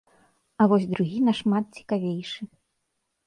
А вось другі нашмат цікавейшы.